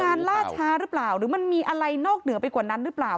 ล่าช้าหรือเปล่าหรือมันมีอะไรนอกเหนือไปกว่านั้นหรือเปล่า